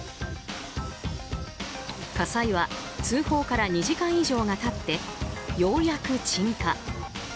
火災は通報から２時間以上が経ってようやく鎮火。